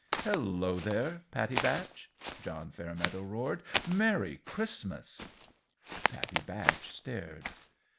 "Hello, there, Pattie Batch!" John Fairmeadow roared. "Merry Christmas!" Pattie Batch stared.